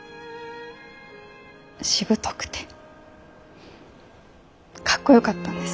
しぶとくてかっこよかったんです。